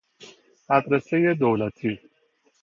مدرسهی دولتی